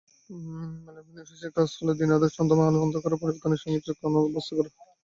মেলানোপসিনের কাজ হলো, দিন-রাতের ছন্দময় আলো-অন্ধকারের পরিবর্তনের সঙ্গে চোখকে অভ্যস্ত করা।